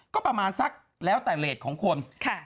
ก็ประมาณสักแล้วแต่เลสของคน